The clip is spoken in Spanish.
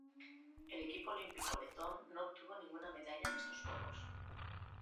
El equipo olímpico letón no obtuvo ninguna medalla en estos Juegos.